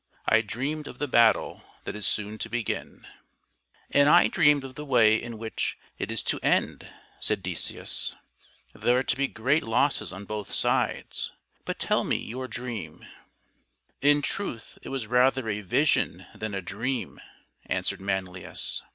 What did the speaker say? " I dreamed of the battle that is soon to begin." " And I dreamed of the way in which it is to 197 198 THIRTY MORE FAMOUS STORIES end," said Decius. " There are to be great losses on both sides. — But tell me your dream," "In truth it was rather a vision than a dream," answered Manlius.